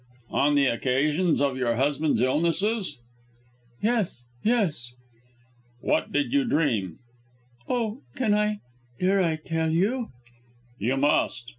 "On the occasions of your husband's illnesses?" "Yes, yes!" "What did you dream?" "Oh! can I, dare I tell you! " "You must."